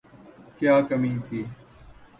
کیا کمی تھی۔